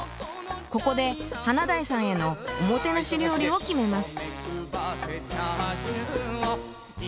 ここで華大さんへのおもてなし料理を決めます。